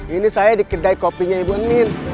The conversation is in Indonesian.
ini saya di kedai kopinya ibu nin